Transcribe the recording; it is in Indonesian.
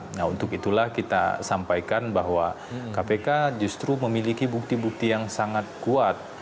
nah untuk itulah kita sampaikan bahwa kpk justru memiliki bukti bukti yang sangat kuat